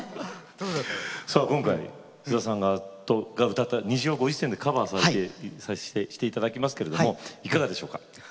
今回、菅田さんが歌った「虹」をご自身でカバーしていただきますけどいかがでしょうか？